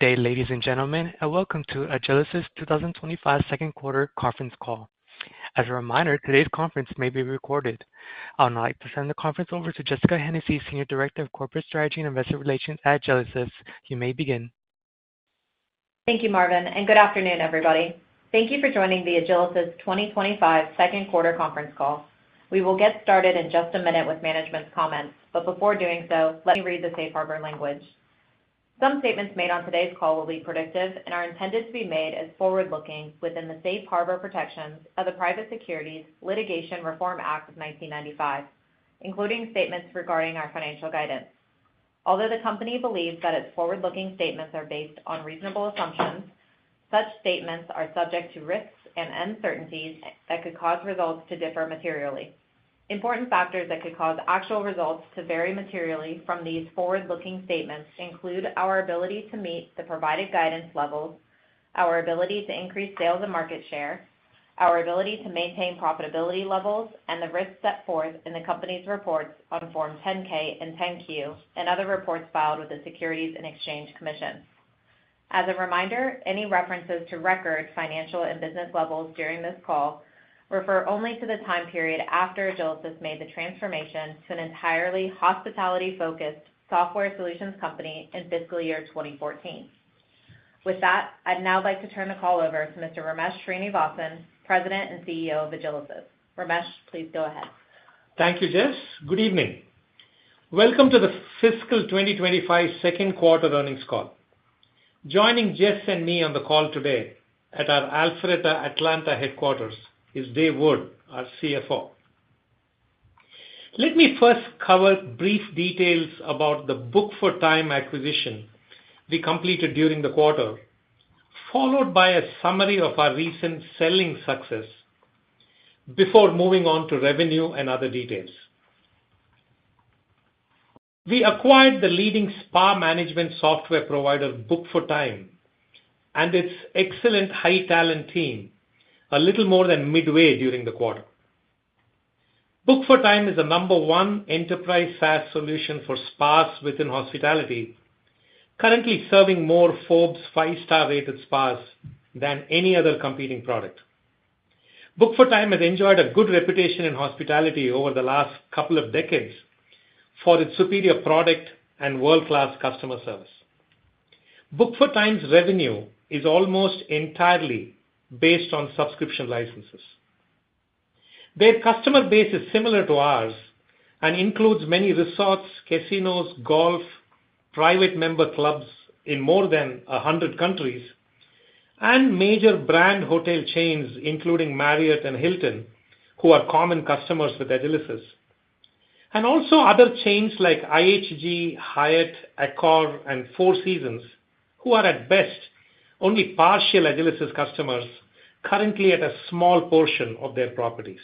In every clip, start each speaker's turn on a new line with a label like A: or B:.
A: Good day, ladies and gentlemen, and welcome to Agilysys' two thousand and twenty-five second quarter conference call. As a reminder, today's conference may be recorded. I would now like to turn the conference over to Jessica Hennessy, Senior Director of Corporate Strategy and Investor Relations at Agilysys. You may begin.
B: Thank you, Marvin, and good afternoon, everybody. Thank you for joining the Agilysys 2025 Second Quarter Conference Call. We will get started in just a minute with management's comments, but before doing so, let me read the safe harbor language. Some statements made on today's call will be predictive and are intended to be made as forward-looking within the Safe Harbor Protections of the Private Securities Litigation Reform Act of 1995, including statements regarding our financial guidance. Although the company believes that its forward-looking statements are based on reasonable assumptions, such statements are subject to risks and uncertainties that could cause results to differ materially. Important factors that could cause actual results to vary materially from these forward-looking statements include our ability to meet the provided guidance levels, our ability to increase sales and market share, our ability to maintain profitability levels, and the risks set forth in the company's reports on Form 10-K and 10-Q, and other reports filed with the Securities and Exchange Commission. As a reminder, any references to record, financial, and business levels during this call refer only to the time period after Agilysys made the transformation to an entirely hospitality-focused software solutions company in fiscal year 2014. With that, I'd now like to turn the call over to Mr. Ramesh Srinivasan, President and CEO of Agilysys. Ramesh, please go ahead.
C: Thank you, Jess. Good evening. Welcome to the fiscal 2025 second quarter earnings call. Joining Jess and me on the call today at our Alpharetta, Atlanta headquarters, is Dave Wood, our CFO. Let me first cover brief details about the Book4Time acquisition we completed during the quarter, followed by a summary of our recent selling success before moving on to revenue and other details. We acquired the leading spa management software provider, Book4Time, and its excellent high-talent team, a little more than midway during the quarter. Book4Time is the number one enterprise SaaS solution for spas within hospitality, currently serving more Forbes five-star rated spas than any other competing product. Book4Time has enjoyed a good reputation in hospitality over the last couple of decades for its superior product and world-class customer service. Book4Time's revenue is almost entirely based on subscription licenses. Their customer base is similar to ours and includes many resorts, casinos, golf, private member clubs in more than a hundred countries, and major brand hotel chains, including Marriott and Hilton, who are common customers with Agilysys, and also other chains like IHG, Hyatt, Accor, and Four Seasons, who are at best only partial Agilysys customers, currently at a small portion of their properties.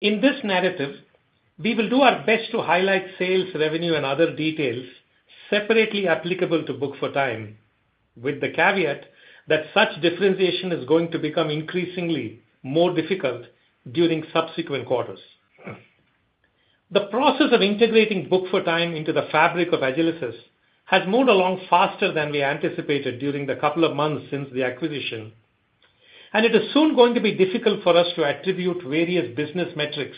C: In this narrative, we will do our best to highlight sales, revenue, and other details separately applicable to Book4Time, with the caveat that such differentiation is going to become increasingly more difficult during subsequent quarters. The process of integrating Book4Time into the fabric of Agilysys has moved along faster than we anticipated during the couple of months since the acquisition, and it is soon going to be difficult for us to attribute various business metrics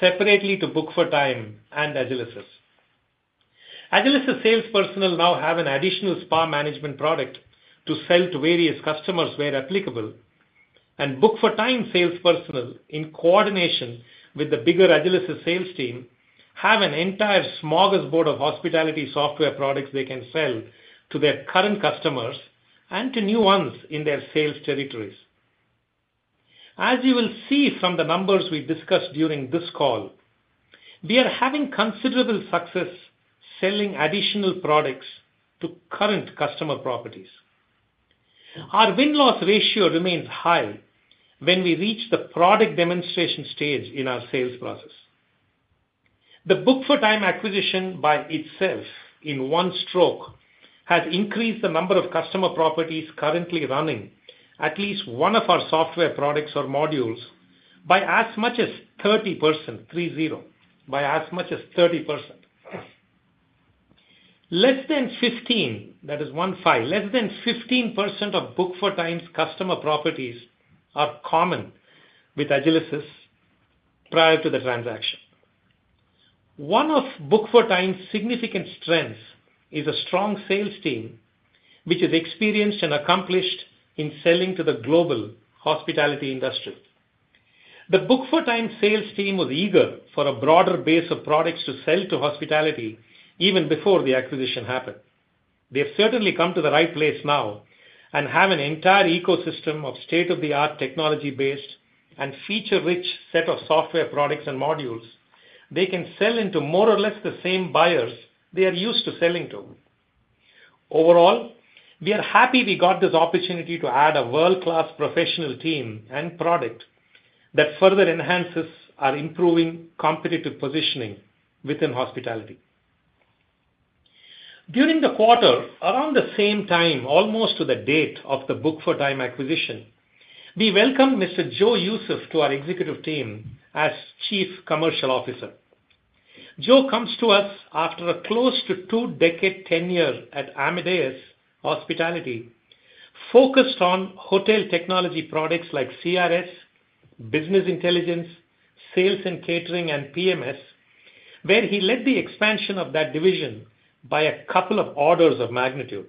C: separately to Book4Time and Agilysys. Agilysys sales personnel now have an additional spa management product to sell to various customers where applicable, and Book4Time sales personnel, in coordination with the bigger Agilysys sales team, have an entire smorgasbord of hospitality software products they can sell to their current customers and to new ones in their sales territories. As you will see from the numbers we discuss during this call, we are having considerable success selling additional products to current customer properties. Our win-loss ratio remains high when we reach the product demonstration stage in our sales process. The Book4Time acquisition, by itself, in one stroke, has increased the number of customer properties currently running at least one of our software products or modules by as much as 30%, three, zero. By as much as 30%. Less than 15, that is one, five, less than 15% of Book4Time's customer properties are common with Agilysys prior to the transaction. One of Book4Time's significant strengths is a strong sales team, which is experienced and accomplished in selling to the global hospitality industry. The Book4Time sales team was eager for a broader base of products to sell to hospitality even before the acquisition happened. They have certainly come to the right place now and have an entire ecosystem of state-of-the-art technology-based and feature-rich set of software products and modules they can sell into more or less the same buyers they are used to selling to. Overall, we are happy we got this opportunity to add a world-class professional team and product that further enhances our improving competitive positioning within hospitality. During the quarter, around the same time, almost to the date of the Book4Time acquisition. We welcome Mr. Joe Youssef to our executive team as Chief Commercial Officer. Joe comes to us after a close to two-decade tenure at Amadeus Hospitality, focused on hotel technology products like CRS, business intelligence, sales and catering, and PMS, where he led the expansion of that division by a couple of orders of magnitude.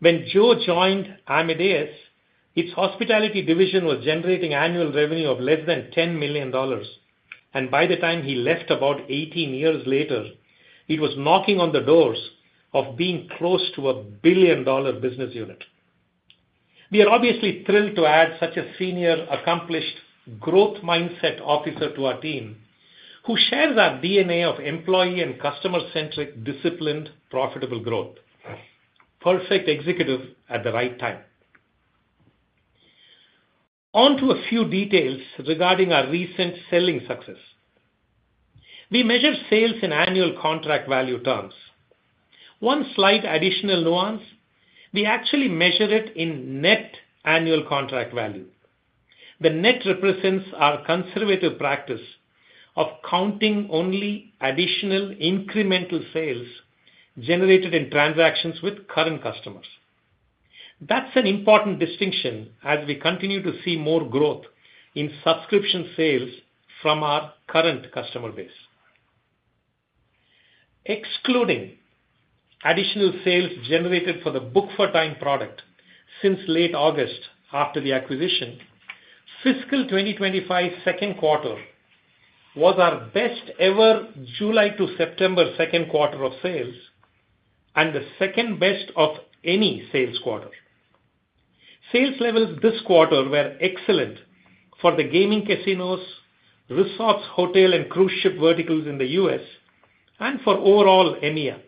C: When Joe joined Amadeus, its hospitality division was generating annual revenue of less than $10 million, and by the time he left about 18 years later, it was knocking on the doors of being close to a $1 billion-dollar business unit. We are obviously thrilled to add such a senior, accomplished, growth mindset officer to our team, who shares our DNA of employee and customer-centric, disciplined, profitable growth. Perfect executive at the right time. On to a few details regarding our recent selling success. We measure sales in annual contract value terms. One slight additional nuance, we actually measure it in net annual contract value. The net represents our conservative practice of counting only additional incremental sales generated in transactions with current customers. That's an important distinction as we continue to see more growth in subscription sales from our current customer base. Excluding additional sales generated for the Book4Time product since late August, after the acquisition, fiscal 2025 second quarter was our best-ever July to September second quarter of sales, and the second best of any sales quarter. Sales levels this quarter were excellent for the gaming casinos, resorts, hotel, and cruise ship verticals in the U.S., and for overall EMEA.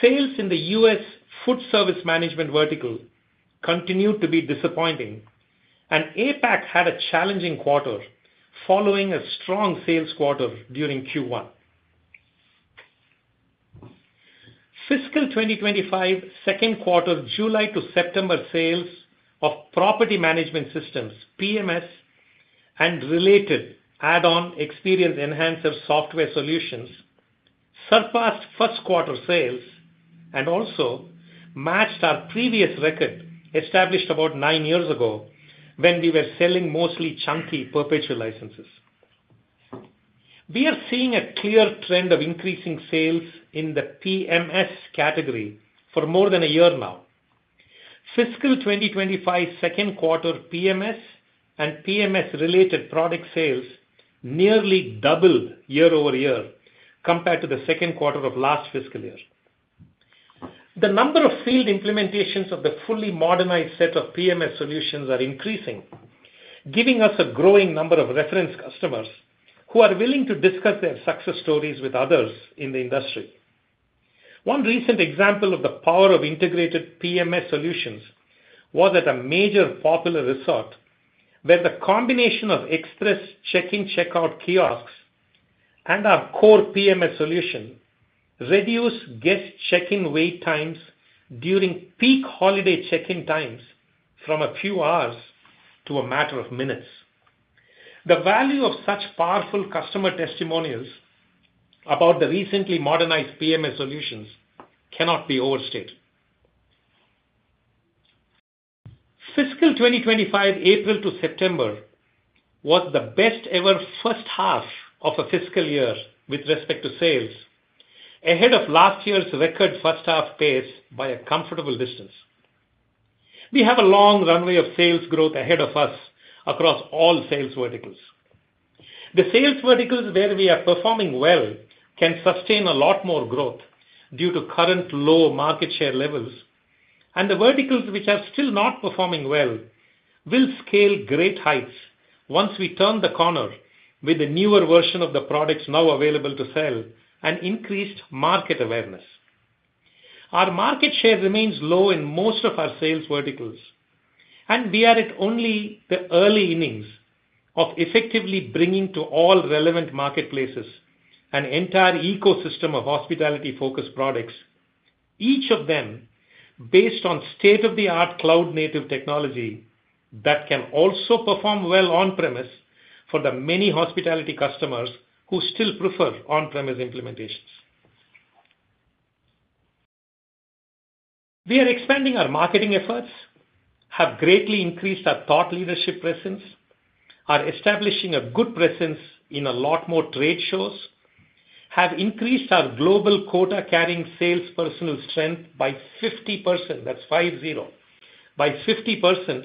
C: Sales in the US food service management vertical continued to be disappointing, and APAC had a challenging quarter following a strong sales quarter during Q1. Fiscal 2025 second quarter, July to September sales of property management systems, PMS, and related add-on experience enhancer software solutions surpassed first quarter sales and also matched our previous record, established about nine years ago, when we were selling mostly chunky perpetual licenses. We are seeing a clear trend of increasing sales in the PMS category for more than a year now. Fiscal 2025 second quarter PMS and PMS-related product sales nearly doubled year-over-year compared to the second quarter of last fiscal year. The number of field implementations of the fully modernized set of PMS solutions are increasing, giving us a growing number of reference customers who are willing to discuss their success stories with others in the industry. One recent example of the power of integrated PMS solutions was at a major popular resort, where the combination of Express check-in, check-out kiosks and our core PMS solution reduced guest check-in wait times during peak holiday check-in times from a few hours to a matter of minutes. The value of such powerful customer testimonials about the recently modernized PMS solutions cannot be overstated. Fiscal 2025, April to September, was the best-ever first half of a fiscal year with respect to sales, ahead of last year's record first half pace by a comfortable distance. We have a long runway of sales growth ahead of us across all sales verticals. The sales verticals where we are performing well can sustain a lot more growth due to current low market share levels, and the verticals which are still not performing well will scale great heights once we turn the corner with a newer version of the products now available to sell and increased market awareness. Our market share remains low in most of our sales verticals, and we are at only the early innings of effectively bringing to all relevant marketplaces an entire ecosystem of hospitality-focused products, each of them based on state-of-the-art cloud-native technology, that can also perform well on-premise for the many hospitality customers who still prefer on-premise implementations. We are expanding our marketing efforts, have greatly increased our thought leadership presence, are establishing a good presence in a lot more trade shows, have increased our global quota-carrying sales personnel strength by 50%, that's five zero, by 50%,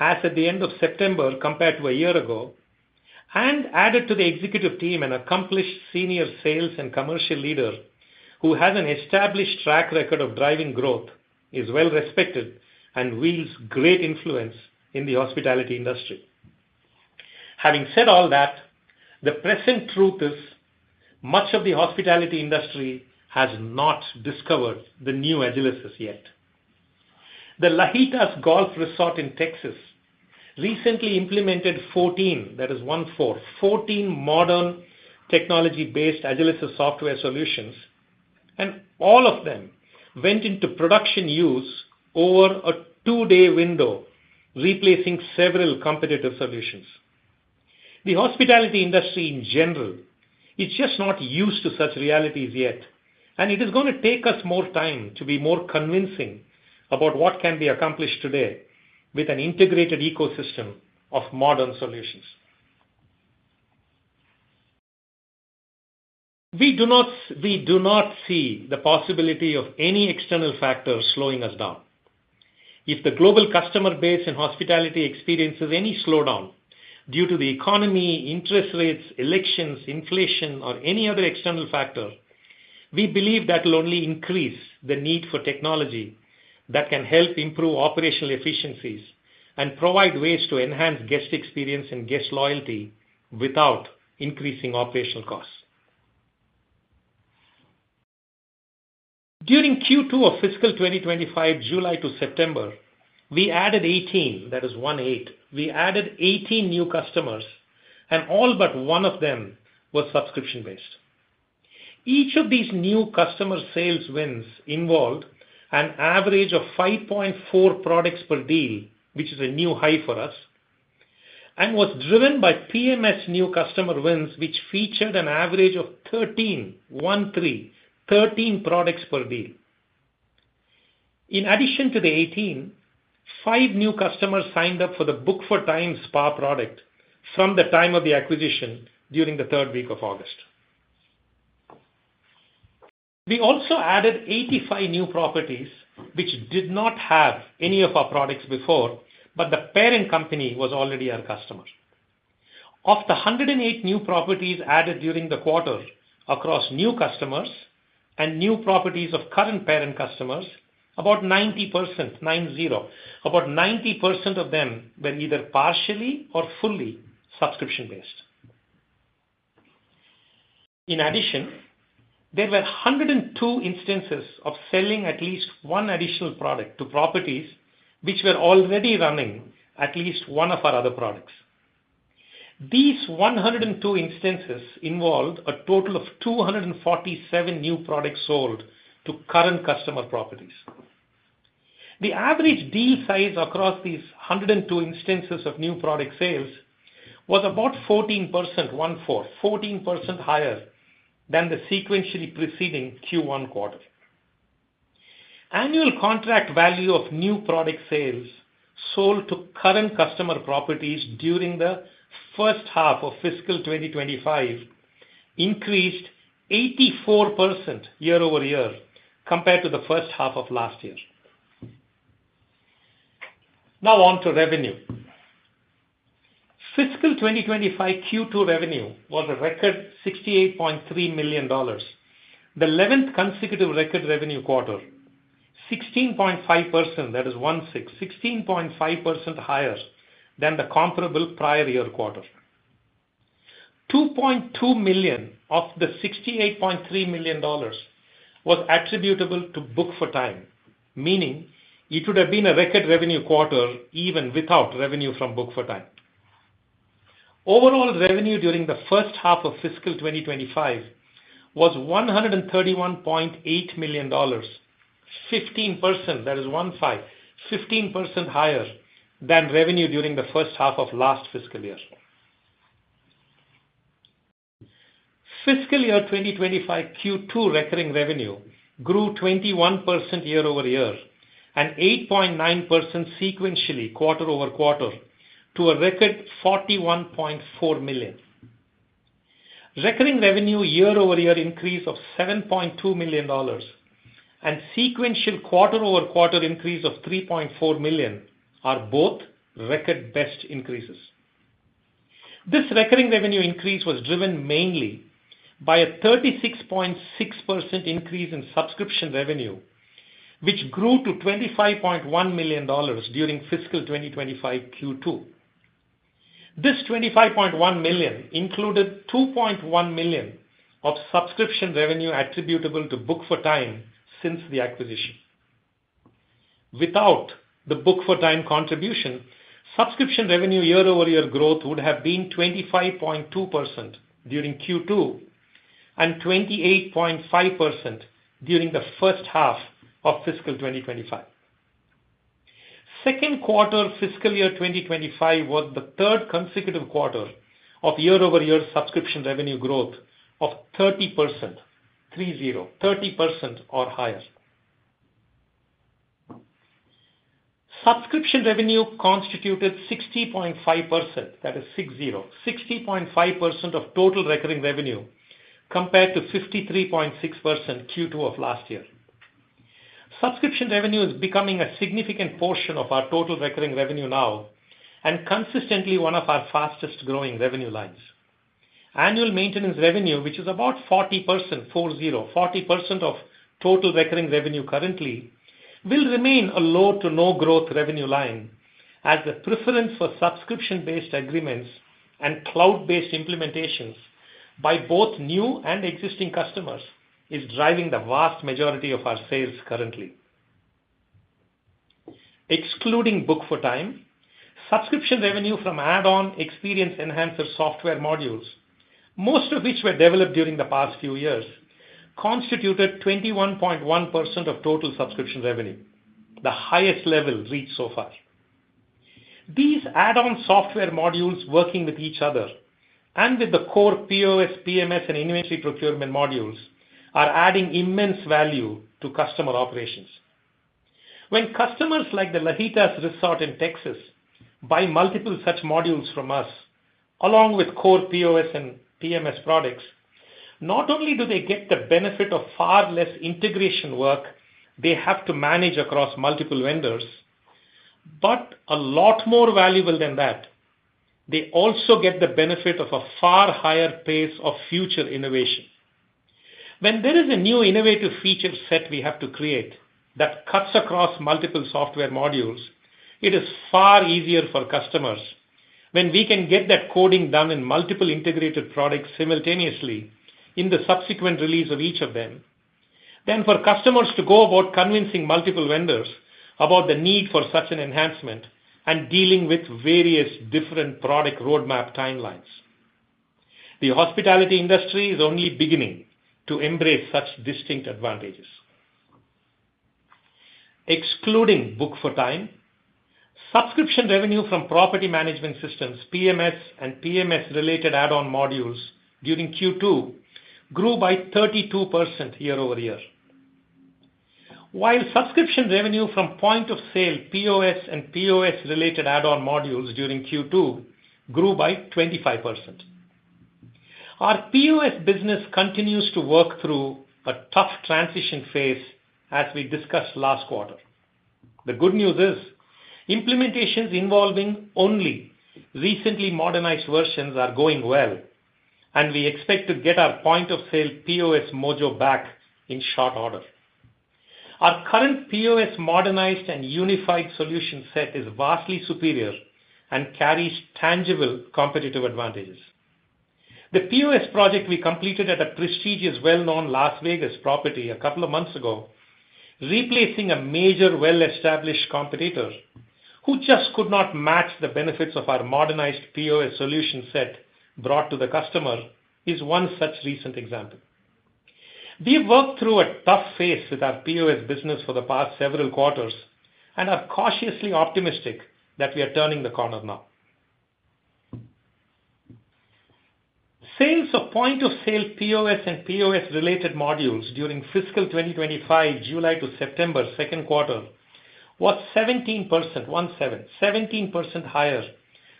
C: as at the end of September, compared to a year ago, and added to the executive team an accomplished senior sales and commercial leader who has an established track record of driving growth, is well respected, and wields great influence in the hospitality industry. Having said all that, the present truth is, much of the hospitality industry has not discovered the new Agilysys yet. The Lajitas Golf Resort in Texas recently implemented 14, that is one four, 14 modern technology-based Agilysys software solutions, and all of them went into production use over a two-day window, replacing several competitive solutions. The hospitality industry, in general, is just not used to such realities yet, and it is going to take us more time to be more convincing about what can be accomplished today with an integrated ecosystem of modern solutions. We do not, we do not see the possibility of any external factors slowing us down. If the global customer base and hospitality experiences any slowdown due to the economy, interest rates, elections, inflation, or any other external factor, we believe that will only increase the need for technology that can help improve operational efficiencies and provide ways to enhance guest experience and guest loyalty without increasing operational costs. During Q2 of fiscal 2025, July to September, we added 18, that is 1 8, we added 18 new customers, and all but one of them were subscription-based. Each of these new customer sales wins involved an average of 5.4 products per deal, which is a new high for us, and was driven by PMS new customer wins, which featured an average of 13 products per deal. In addition to the 185 new customers signed up for the Book4Time spa product from the time of the acquisition during the third week of August. We also added 85 new properties, which did not have any of our products before, but the parent company was already our customer. Of the 108 new properties added during the quarter across new customers and new properties of current parent customers, about 90% of them were either partially or fully subscription-based. In addition, there were 102 instances of selling at least one additional product to properties which were already running at least one of our other products. These 102 instances involved a total of 247 new products sold to current customer properties. The average deal size across these 102 instances of new product sales was about 14%, one four, 14% higher than the sequentially preceding Q1 quarter. Annual contract value of new product sales sold to current customer properties during the first half of fiscal 2025 increased 84% year-over-year, compared to the first half of last year. Now on to revenue. Fiscal 2025 Q2 revenue was a record $68.3 million, the eleventh consecutive record revenue quarter, 16.5%, that is 1 6, 16.5% higher than the comparable prior year quarter. $2.2 million of the $68.3 million was attributable to Book4Time, meaning it would have been a record revenue quarter, even without revenue from Book4Time. Overall revenue during the first half of fiscal 2025 was $131.8 million, 15%, that is 1 5, 15% higher than revenue during the first half of last fiscal year. Fiscal 2025 Q2 recurring revenue grew 21% year-over-year and 8.9% sequentially, quarter over quarter, to a record $41.4 million. Recurring revenue year-over-year increase of $7.2 million and sequential quarter-over-quarter increase of $3.4 million are both record best increases. This recurring revenue increase was driven mainly by a 36.6% increase in subscription revenue, which grew to $25.1 million during fiscal 2025 Q2. This $25.1 million included $2.1 million of subscription revenue attributable to Book4Time since the acquisition. Without the Book4Time contribution, subscription revenue year-over-year growth would have been 25.2% during Q2, and 28.5% during the first half of fiscal 2025. Second quarter, fiscal year 2025, was the third consecutive quarter of year-over-year subscription revenue growth of 30%, 30, 30% or higher. Subscription revenue constituted 60.5%, that is 60, 60.5% of total recurring revenue, compared to 53.6% Q2 of last year. Subscription revenue is becoming a significant portion of our total recurring revenue now and consistently one of our fastest-growing revenue lines. Annual maintenance revenue, which is about 40%, 40, 40% of total recurring revenue currently, will remain a low to no growth revenue line, as the preference for subscription-based agreements and cloud-based implementations by both new and existing customers is driving the vast majority of our sales currently. Excluding Book4Time, subscription revenue from add-on experience enhancer software modules, most of which were developed during the past few years, constituted 21.1% of total subscription revenue, the highest level reached so far. These add-on software modules working with each other and with the core POS, PMS, and inventory procurement modules, are adding immense value to customer operations. When customers like the Lajitas Resort in Texas buy multiple such modules from us, along with core POS and PMS products, not only do they get the benefit of far less integration work they have to manage across multiple vendors, but a lot more valuable than that, they also get the benefit of a far higher pace of future innovation. When there is a new innovative feature set we have to create that cuts across multiple software modules, it is far easier for customers when we can get that coding done in multiple integrated products simultaneously in the subsequent release of each of them, than for customers to go about convincing multiple vendors about the need for such an enhancement and dealing with various different product roadmap timelines. The hospitality industry is only beginning to embrace such distinct advantages. Excluding Book4Time, subscription revenue from property management systems, PMS, and PMS-related add-on modules during Q2 grew by 32% year-over-year. While subscription revenue from point of sale, POS, and POS-related add-on modules during Q2 grew by 25%. Our POS business continues to work through a tough transition phase, as we discussed last quarter. The good news is, implementations involving only recently modernized versions are going well, and we expect to get our point of sale, POS, mojo back in short order. Our current POS modernized and unified solution set is vastly superior and carries tangible competitive advantages. The POS project we completed at a prestigious, well-known Las Vegas property a couple of months ago, replacing a major well-established competitor, who just could not match the benefits of our modernized POS solution set brought to the customer, is one such recent example. We've worked through a tough phase with our POS business for the past several quarters and are cautiously optimistic that we are turning the corner now. Sales of point of sale, POS, and POS-related modules during fiscal 2025 July to September, second quarter, was 17%, one seven, 17% higher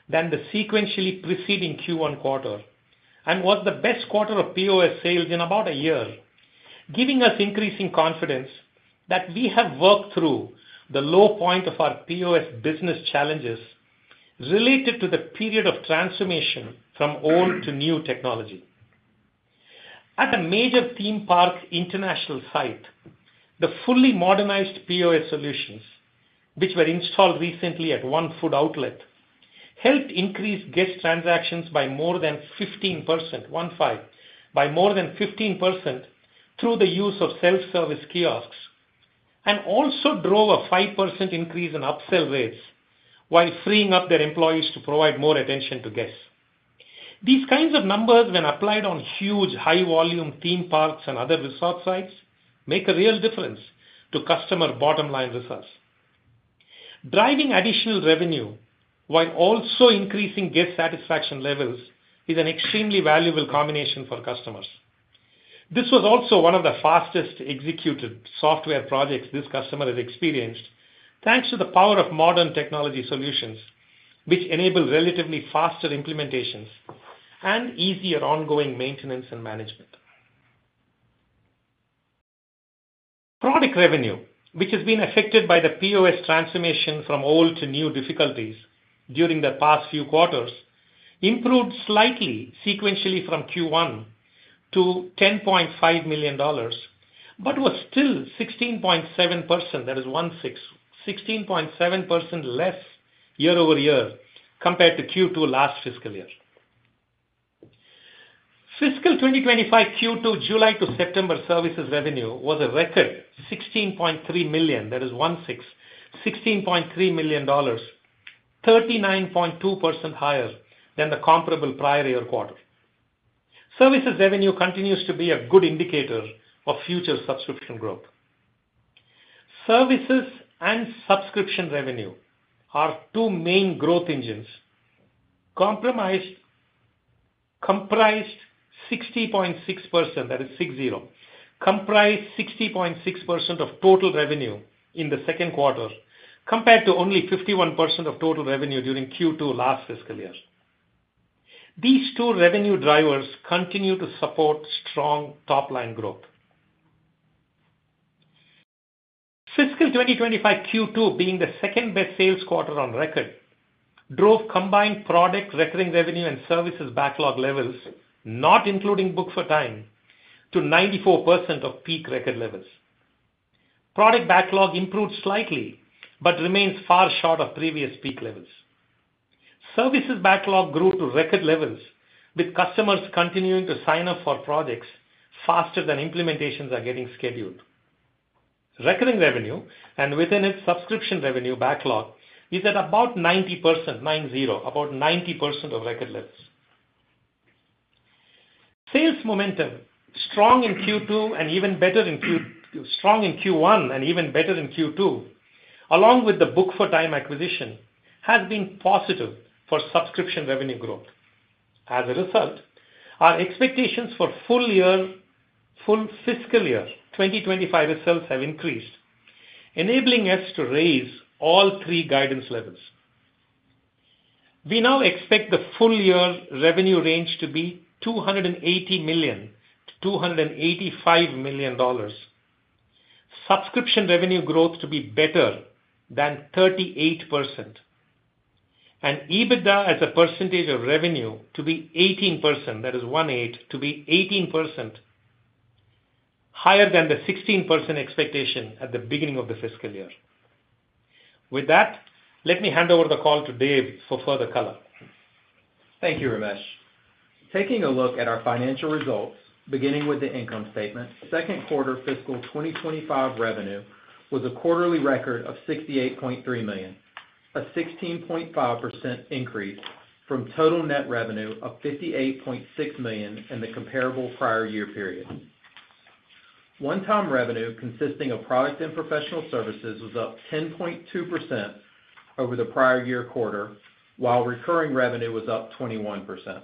C: than the sequentially preceding Q1 quarter, and was the best quarter of POS sales in about a year, giving us increasing confidence that we have worked through the low point of our POS business challenges related to the period of transformation from old to new technology. At a major theme park international site, the fully modernized POS solutions, which were installed recently at one food outlet, helped increase guest transactions by more than 15%, one five, by more than 15% through the use of self-service kiosks, and also drove a 5% increase in upsell rates, while freeing up their employees to provide more attention to guests. These kinds of numbers, when applied on huge, high-volume theme parks and other resort sites, make a real difference to customer bottom line results. Driving additional revenue while also increasing guest satisfaction levels is an extremely valuable combination for customers. This was also one of the fastest executed software projects this customer has experienced, thanks to the power of modern technology solutions, which enable relatively faster implementations and easier ongoing maintenance and management. Product revenue, which has been affected by the POS transformation from old to new difficulties during the past few quarters, improved slightly sequentially from Q1 to $10.5 million, but was still 16.7%, that is one six, 16.7% less year-over-year compared to Q2 last fiscal year. Fiscal 2025 Q2, July to September, services revenue was a record $16.3 million. That is $16.3 million, 39.2% higher than the comparable prior year quarter. Services revenue continues to be a good indicator of future subscription growth. Services and subscription revenue, our two main growth engines, comprised 60.6%, that is, 60, comprised 60.6% of total revenue in the second quarter, compared to only 51% of total revenue during Q2 last fiscal year. These two revenue drivers continue to support strong top-line growth. Fiscal 2025 Q2, being the second-best sales quarter on record, drove combined product, recurring revenue, and services backlog levels, not including Book4Time, to 94% of peak record levels. Product backlog improved slightly, but remains far short of previous peak levels. Services backlog grew to record levels, with customers continuing to sign up for projects faster than implementations are getting scheduled. Recurring revenue, and within it, subscription revenue backlog, is at about 90%, nine zero, about 90% of record levels. Sales momentum, strong in Q1 and even better in Q2, along with the Book4Time acquisition, has been positive for subscription revenue growth. As a result, our expectations for full fiscal year 2025 results have increased, enabling us to raise all three guidance levels. We now expect the full year revenue range to be $280 million-$285 million, subscription revenue growth to be better than 38%, and EBITDA as a percentage of revenue to be 18%, that is one eight, to be 18%, higher than the 16% expectation at the beginning of the fiscal year. With that, let me hand over the call to Dave for further color.
D: Thank you, Ramesh. Taking a look at our financial results, beginning with the income statement, second quarter fiscal 2025 revenue was a quarterly record of $68.3 million, a 16.5% increase from total net revenue of $58.6 million in the comparable prior year period. One-time revenue, consisting of product and professional services, was up 10.2% over the prior year quarter, while recurring revenue was up 21%.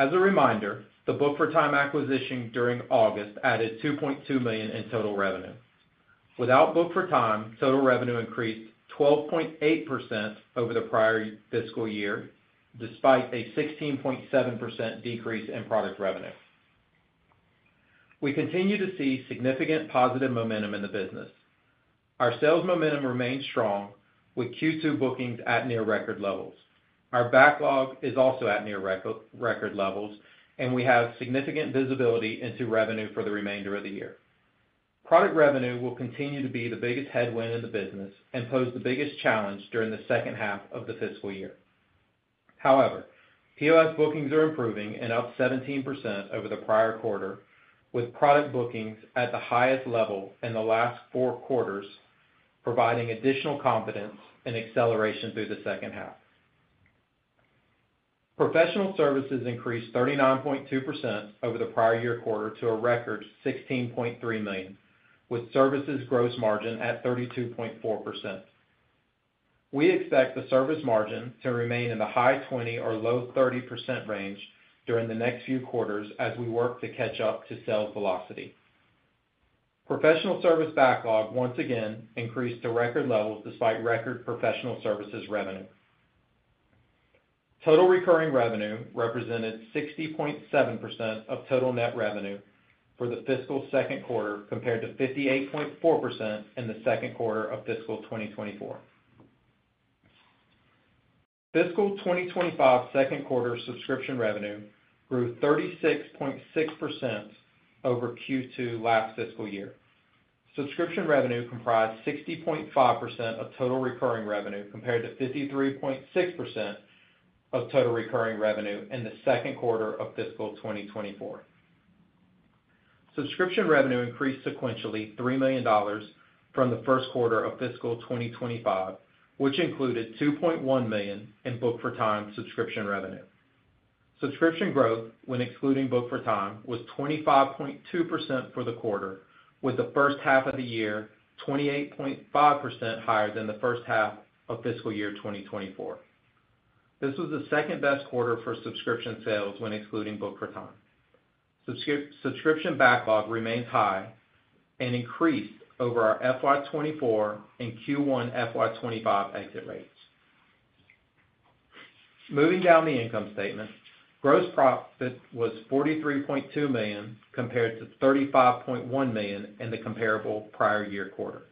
D: As a reminder, the Book4Time acquisition during August added $2.2 million in total revenue. Without Book4Time, total revenue increased 12.8% over the prior fiscal year, despite a 16.7% decrease in product revenue. We continue to see significant positive momentum in the business. Our sales momentum remains strong, with Q2 bookings at near record levels. Our backlog is also at near record levels, and we have significant visibility into revenue for the remainder of the year. Product revenue will continue to be the biggest headwind in the business and pose the biggest challenge during the second half of the fiscal year. However, POS bookings are improving and up 17% over the prior quarter, with product bookings at the highest level in the last four quarters, providing additional confidence and acceleration through the second half. Professional services increased 39.2% over the prior year quarter to a record $16.3 million, with services gross margin at 32.4%. We expect the service margin to remain in the high 20% or low 30% range during the next few quarters as we work to catch up to sales velocity. Professional services backlog once again increased to record levels despite record professional services revenue. Total recurring revenue represented 60.7% of total net revenue for the fiscal second quarter, compared to 58.4% in the second quarter of fiscal 2024. Fiscal 2025 second quarter subscription revenue grew 36.6% over Q2 last fiscal year. Subscription revenue comprised 60.5% of total recurring revenue, compared to 53.6% of total recurring revenue in the second quarter of fiscal 2024. Subscription revenue increased sequentially $3 million from the first quarter of fiscal 2025, which included $2.1 million in Book4Time subscription revenue. Subscription growth, when excluding Book4Time, was 25.2% for the quarter, with the first half of the year 28.5% higher than the first half of fiscal year 2024. This was the second-best quarter for subscription sales when excluding Book4Time. Subscription backlog remains high and increased over our FY 2024 and Q1 FY 2025 exit rates. Moving down the income statement, gross profit was $43.2 million, compared to $35.1 million in the comparable prior year quarter.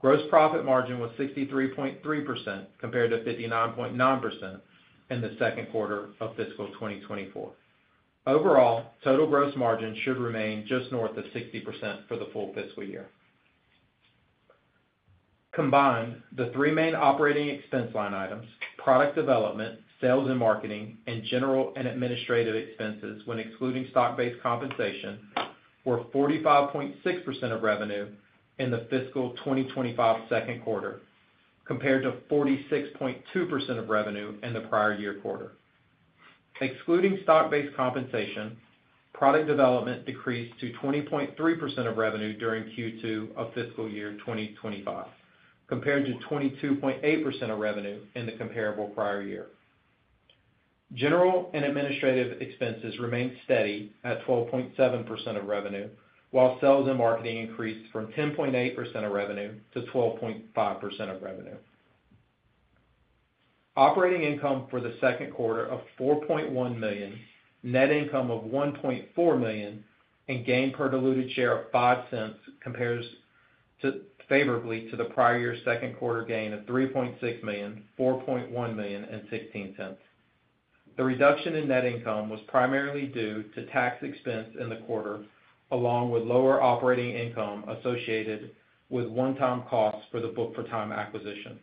D: Gross profit margin was 63.3%, compared to 59.9% in the second quarter of fiscal 2024. Overall, total gross margin should remain just north of 60% for the full fiscal year. Combined, the three main operating expense line items, product development, sales and marketing, and general and administrative expenses, when excluding stock-based compensation, were 45.6% of revenue in the fiscal twenty twenty-five second quarter, compared to 46.2% of revenue in the prior year quarter. Excluding stock-based compensation, product development decreased to 20.3% of revenue during Q2 of fiscal year twenty twenty-five, compared to 22.8% of revenue in the comparable prior year. General and administrative expenses remained steady at 12.7% of revenue, while sales and marketing increased from 10.8% of revenue to 12.5% of revenue. Operating income for the second quarter of $4.1 million, net income of $1.4 million, and earnings per diluted share of $0.05 compares favorably to the prior year's second quarter [operating income] of $3.6 million, $4.1 million and 16 cents. The reduction in net income was primarily due to tax expense in the quarter, along with lower operating income associated with one-time costs for the Book4Time acquisition.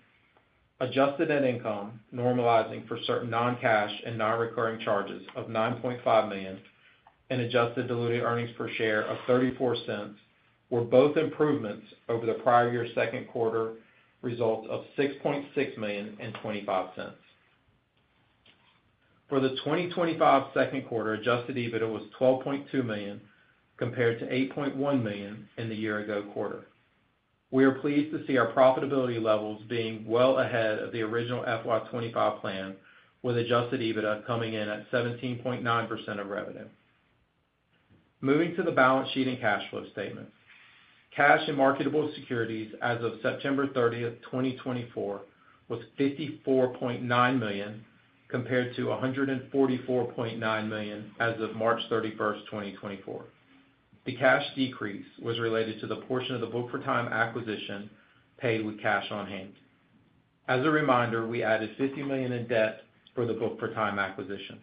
D: Adjusted net income, normalizing for certain non-cash and non-recurring charges of $9.5 million, and adjusted diluted earnings per share of $0.34, were both improvements over the prior year's second quarter results of $6.6 million and $0.25. For the 2025 second quarter, Adjusted EBITDA was $12.2 million, compared to $8.1 million in the year-ago quarter. We are pleased to see our profitability levels being well ahead of the original FY 2025 plan, with adjusted EBITDA coming in at 17.9% of revenue. Moving to the balance sheet and cash flow statement. Cash and marketable securities as of September 30th, 2024, was $54.9 million, compared to $144.9 million as of March 31st, 2024. The cash decrease was related to the portion of the Book4Time acquisition paid with cash on hand. As a reminder, we added $50 million in debt for the Book4Time acquisition.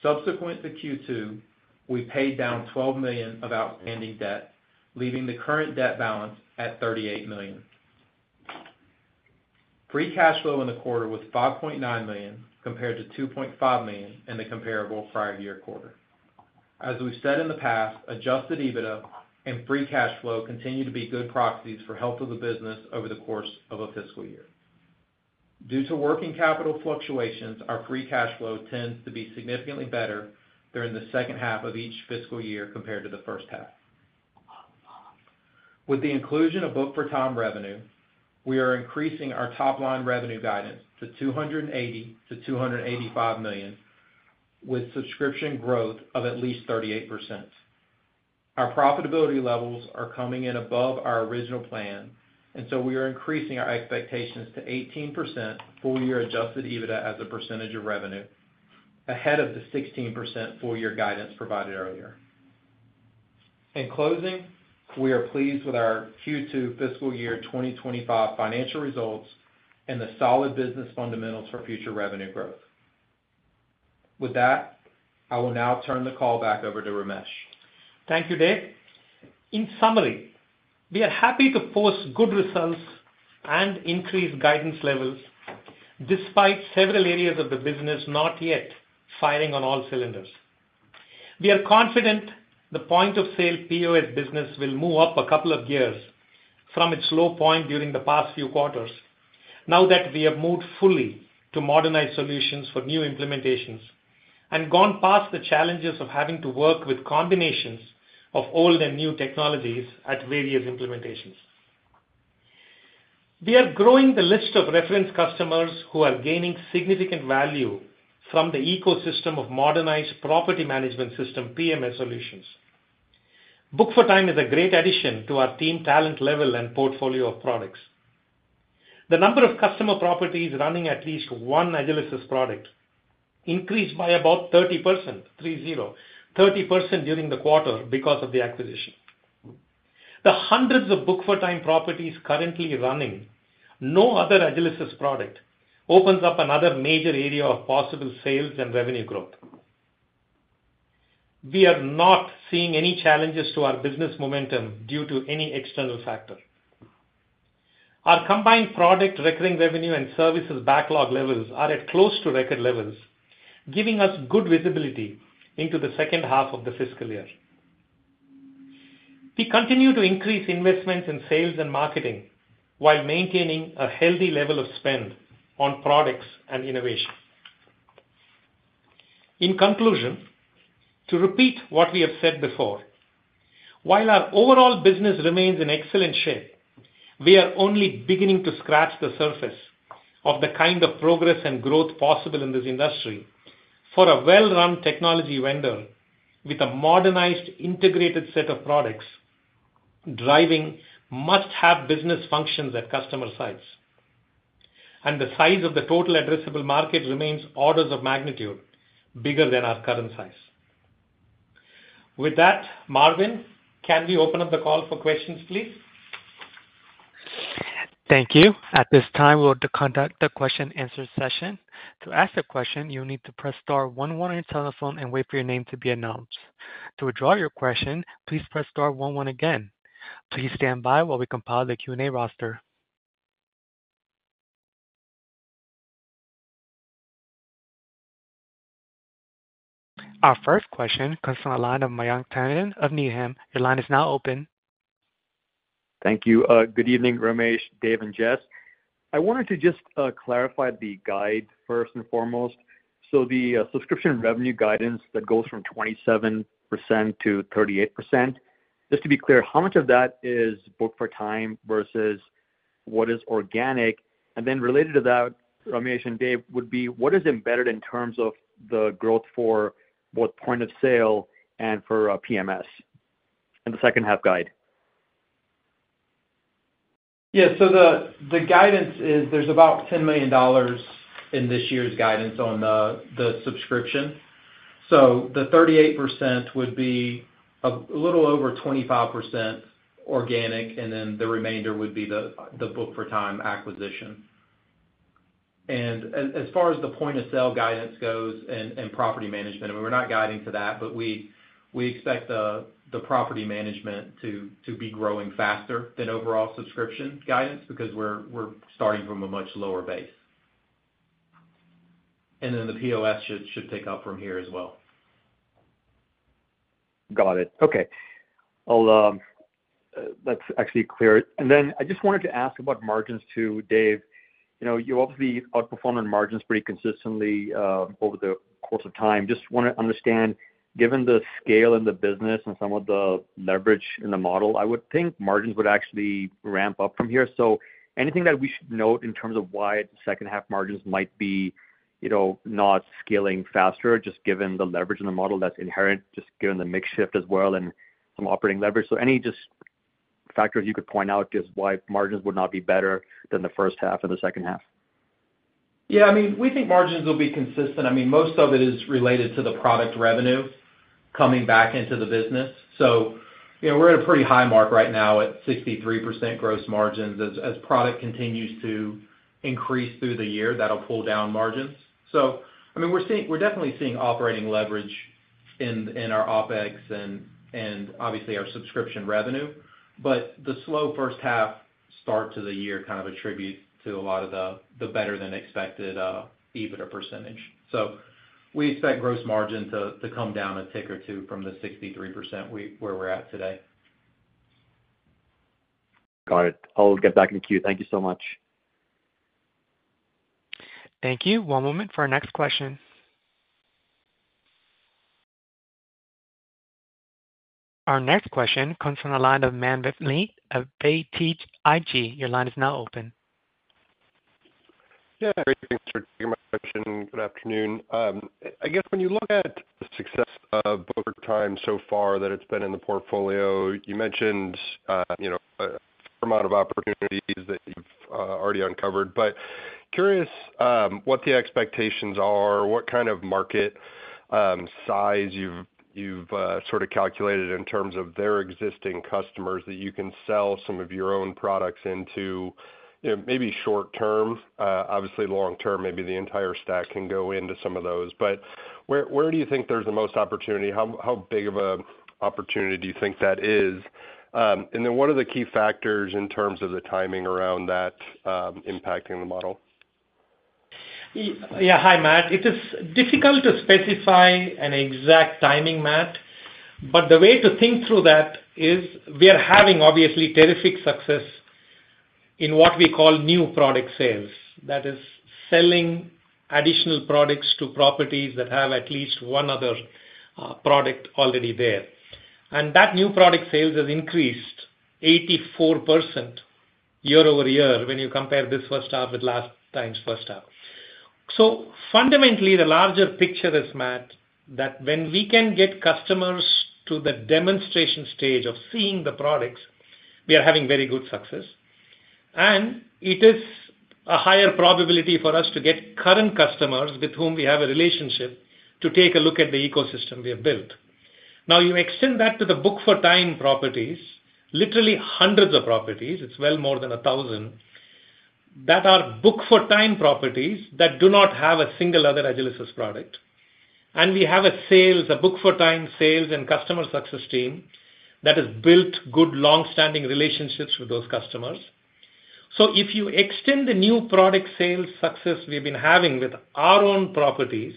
D: Subsequent to Q2, we paid down $12 million of outstanding debt, leaving the current debt balance at $38 million. Free cash flow in the quarter was $5.9 million, compared to $2.5 million in the comparable prior year quarter. As we've said in the past, Adjusted EBITDA and Free Cash Flow continue to be good proxies for health of the business over the course of a fiscal year. Due to working capital fluctuations, our Free Cash Flow tends to be significantly better during the second half of each fiscal year compared to the first half. With the inclusion of Book4Time revenue, we are increasing our top-line revenue guidance to $280 million-$285 million, with subscription growth of at least 38%. Our profitability levels are coming in above our original plan, and so we are increasing our expectations to 18% full-year Adjusted EBITDA as a percentage of revenue, ahead of the 16% full-year guidance provided earlier. In closing, we are pleased with our Q2 fiscal year 2025 financial results and the solid business fundamentals for future revenue growth. With that, I will now turn the call back over to Ramesh.
C: Thank you, Dave. In summary, we are happy to post good results and increase guidance levels despite several areas of the business not yet firing on all cylinders. We are confident the point of sale, POS, business will move up a couple of gears from its low point during the past few quarters, now that we have moved fully to modernized solutions for new implementations and gone past the challenges of having to work with combinations of old and new technologies at various implementations. We are growing the list of reference customers who are gaining significant value from the ecosystem of modernized property management system, PMS, solutions. Book4Time is a great addition to our team talent level and portfolio of products. The number of customer properties running at least one Agilysys product increased by about 30%, three zero, 30% during the quarter because of the acquisition. The hundreds of Book4Time properties currently running, no other Agilysys product, opens up another major area of possible sales and revenue growth. We are not seeing any challenges to our business momentum due to any external factor. Our combined product, recurring revenue, and services backlog levels are at close to record levels, giving us good visibility into the second half of the fiscal year. We continue to increase investments in sales and marketing, while maintaining a healthy level of spend on products and innovation. In conclusion, to repeat what we have said before, while our overall business remains in excellent shape, we are only beginning to scratch the surface of the kind of progress and growth possible in this industry for a well-run technology vendor with a modernized, integrated set of products, driving must-have business functions at customer sites. The size of the total addressable market remains orders of magnitude bigger than our current size. With that, Marvin, can we open up the call for questions, please?
A: Thank you. At this time, we'll conduct the question and answer session. To ask a question, you'll need to press star one one on your telephone and wait for your name to be announced. To withdraw your question, please press star one one again. Please stand by while we compile the Q&A roster. Our first question comes from the line of Mayank Tandon of Needham. Your line is now open.
E: Thank you. Good evening, Ramesh, Dave, and Jess. I wanted to just clarify the guide first and foremost. So the subscription revenue guidance that goes from 27%-38%, just to be clear, how much of that is Book4Time versus what is organic? And then related to that, Ramesh and Dave, would be what is embedded in terms of the growth for both point of sale and for PMS in the second half guide?
D: Yeah, so the guidance is there's about $10 million in this year's guidance on the subscription. So the 38% would be a little over 25% organic, and then the remainder would be the Book4Time acquisition. And as far as the point-of-sale guidance goes and property management, and we're not guiding to that, but we expect the property management to be growing faster than overall subscription guidance because we're starting from a much lower base. And then the POS should pick up from here as well.
E: Got it. Okay. I'll, that's actually clear and then I just wanted to ask about margins too, Dave. You know, you obviously outperformed on margins pretty consistently over the course of time. Just wanna understand, given the scale in the business and some of the leverage in the model, I would think margins would actually ramp up from here. So anything that we should note in terms of why second half margins might be, you know, not scaling faster, just given the leverage in the model that's inherent, just given the mix shift as well and some operating leverage. So any just factors you could point out just why margins would not be better than the first half or the second half?
D: Yeah, I mean, we think margins will be consistent. I mean, most of it is related to the product revenue coming back into the business. So, you know, we're at a pretty high mark right now at 63% gross margins. As product continues to increase through the year, that'll pull down margins. So I mean, we're seeing, we're definitely seeing operating leverage in our OpEx and obviously our subscription revenue. But the slow first half start to the year kind of attributes to a lot of the better than expected EBITDA percentage. So we expect gross margin to come down a tick or two from the 63% where we're at today.
E: Got it. I'll get back in the queue. Thank you so much.
A: Thank you. One moment for our next question. Our next question comes from the line of Matt VanVliet of BTIG. Your line is now open.
F: Yeah, great. Thanks for taking my question. Good afternoon. I guess when you look at the success of Book4Time so far that it's been in the portfolio, you mentioned, you know, a fair amount of opportunities that you've already uncovered. But curious, what the expectations are, what kind of market size you've sort of calculated in terms of their existing customers that you can sell some of your own products into, you know, maybe short term, obviously, long term, maybe the entire stack can go into some of those. But where do you think there's the most opportunity? How big of a opportunity do you think that is? And then what are the key factors in terms of the timing around that, impacting the model?
C: Yeah. Hi, Matt. It is difficult to specify an exact timing, Matt, but the way to think through that is we are having, obviously, terrific success in what we call new product sales. That is selling additional products to properties that have at least one other product already there. And that new product sales has increased 84% year-over-year when you compare this first half with last time's first half. So fundamentally, the larger picture is, Matt, that when we can get customers to the demonstration stage of seeing the products, we are having very good success. And it is a higher probability for us to get current customers with whom we have a relationship, to take a look at the ecosystem we have built. Now, you extend that to the Book4Time properties, literally hundreds of properties, it's well more than a thousand, that are Book4Time properties that do not have a single other Agilysys product. And we have a sales, a Book4Time sales and customer success team that has built good, long-standing relationships with those customers. So if you extend the new product sales success we've been having with our own properties,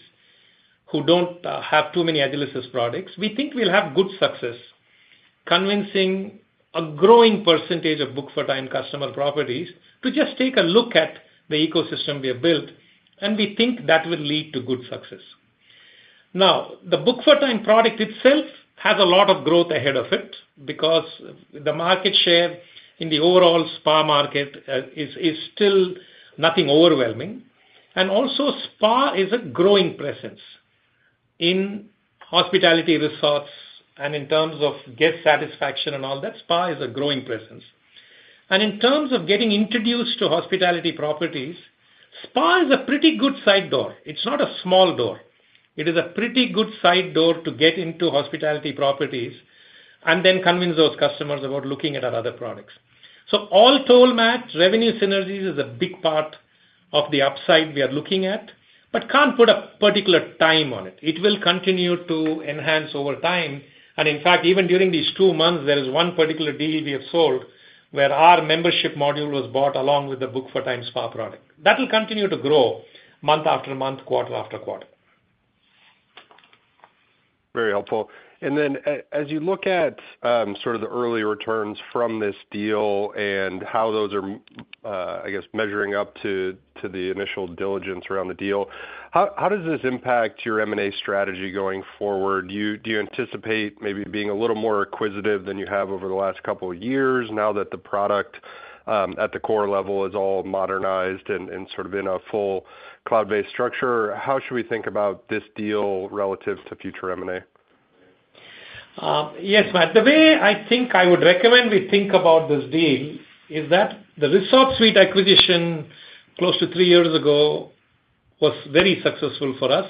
C: who don't have too many Agilysys products, we think we'll have good success convincing a growing percentage of Book4Time customer properties to just take a look at the ecosystem we have built, and we think that will lead to good success. Now, the Book4Time product itself has a lot of growth ahead of it because the market share in the overall spa market is still nothing overwhelming. And also, spa is a growing presence in hospitality resorts, and in terms of guest satisfaction and all that, spa is a growing presence. And in terms of getting introduced to hospitality properties, spa is a pretty good side door. It's not a small door. It is a pretty good side door to get into hospitality properties and then convince those customers about looking at our other products. So all told, Matt, revenue synergies is a big part of the upside we are looking at, but can't put a particular time on it. It will continue to enhance over time. And in fact, even during these two months, there is one particular deal we have sold, where our membership module was bought along with the Book4Time spa product. That will continue to grow month after month, quarter after quarter.
F: Very helpful. And then as you look at sort of the early returns from this deal and how those are, I guess, measuring up to the initial diligence around the deal, how does this impact your M&A strategy going forward? Do you anticipate maybe being a little more acquisitive than you have over the last couple of years now that the product at the core level is all modernized and sort of in a full cloud-based structure? How should we think about this deal relative to future M&A?
C: Yes, Matt, the way I think I would recommend we think about this deal is that the ResortSuite acquisition, close to three years ago, was very successful for us,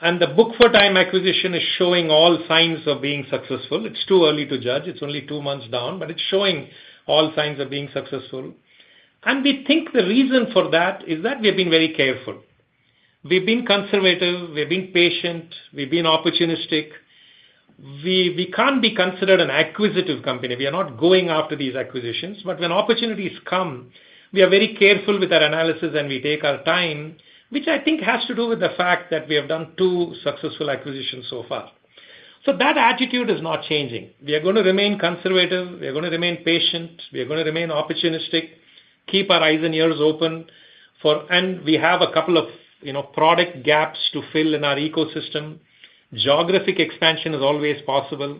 C: and the Book4Time acquisition is showing all signs of being successful. It's too early to judge. It's only two months down, but it's showing all signs of being successful, and we think the reason for that is that we have been very careful. We've been conservative, we've been patient, we've been opportunistic. We can't be considered an acquisitive company. We are not going after these acquisitions, but when opportunities come, we are very careful with our analysis, and we take our time, which I think has to do with the fact that we have done two successful acquisitions so far. So that attitude is not changing. We are gonna remain conservative, we are gonna remain patient, we are gonna remain opportunistic, keep our eyes and ears open for, and we have a couple of, you know, product gaps to fill in our ecosystem. Geographic expansion is always possible,